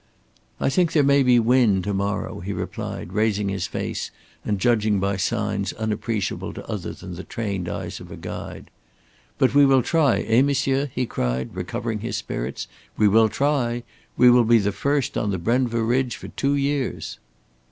"I think there may be wind to morrow," he replied, raising his face and judging by signs unappreciable to other than the trained eyes of a guide. "But we will try, eh, monsieur?" he cried, recovering his spirits. "We will try. We will be the first on the Brenva ridge for two years."